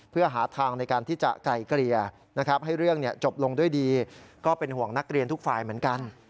เพื่อหาทางในการที่จะไกลเกลี่ยนะครับให้เรื่องจบลงด้วยดีก็เป็นห่วงนักเรียนทุกฝ่ายเหมือนกัน